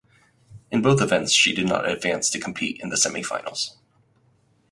In both events she did not advance to compete in the semifinals.